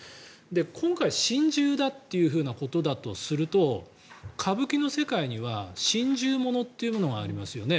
今回心中だということだとすると歌舞伎の世界には心中物というのがありますよね。